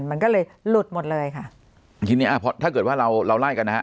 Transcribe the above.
มันก็เลยหลุดหมดเลยค่ะทีนี้อ่าพอถ้าเกิดว่าเราเราไล่กันนะฮะ